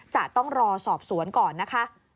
จะต้องรอสอบสวนก่อนนะคะ